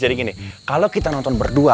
jadi gini kalau kita nonton berdua